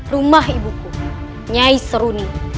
rumah ibuku nyai seruni